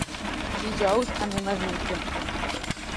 Dijous anem al metge.